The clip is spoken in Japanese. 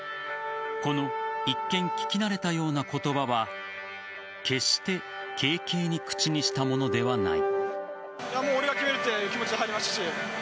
この一見聞き慣れたような言葉は決して軽々に口にしたものではない。